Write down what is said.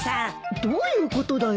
どういうことだよ？